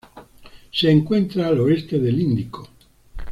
Se encuentra al oeste del Índico.